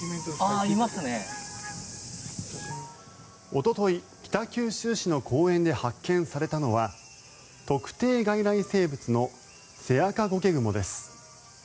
おととい、北九州市の公園で発見されたのは特定外来生物のセアカゴケグモです。